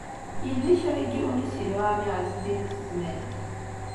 Yella kra n yiwen i s-iluɛan i Ɛezdin n Tezmalt.